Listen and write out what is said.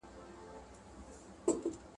ګټورې باکتریاوې له دې فایبره تغذیه کوي.